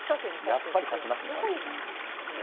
やっぱり刺しますね。